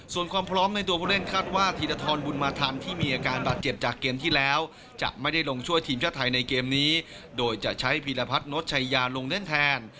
ส่วนความพร้อมในตัวผู้เล่นคาดว่าธีรทรบุญมาทันที่มีอาการบาดเจ็บจากเกมที่แล้วจะไม่ได้ลงช่วยทีมชาติไทยในเกมนี้โดยจะใช้พีรพัฒนชายาลงเล่นแทน